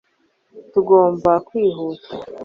tugomba kwihuta